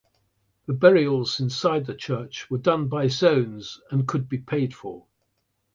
The burials inside the Church were done by zones and could be paid for.